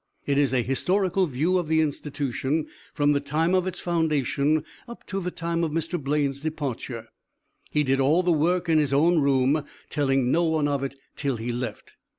It is a historical view of the institution from the time of its foundation, up to the time of Mr. Blaine's departure. He did all the work in his own room, telling no one of it till he left.